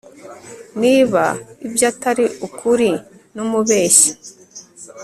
Niba ibyo atari ukuri ni umubeshyi